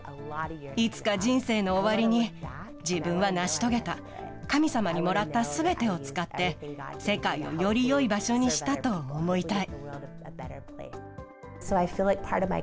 いつか人生の終わりに、自分は成し遂げた、神様にもらったすべてを使って、世界をよりよい場所にしたと思いたい。